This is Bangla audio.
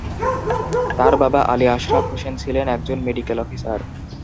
তার বাবা আলি আশরাফ হোসেন ছিলেন একজন মেডিকেল অফিসার।